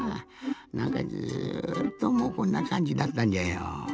なんかずっともうこんなかんじだったんじゃよ。